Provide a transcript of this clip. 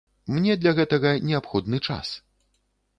Мне для гэтага неабходны час.